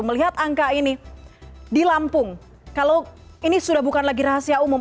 melihat angka ini di lampung kalau ini sudah bukan lagi rahasia umum